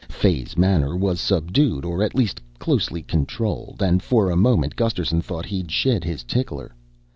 Fay's manner was subdued or at least closely controlled and for a moment Gusterson thought he'd shed his tickler.